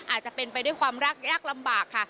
อาจจะเป็นไปด้วยความยากลำบาก